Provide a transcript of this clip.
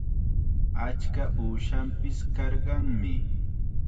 Achka uushanpis karqanmi.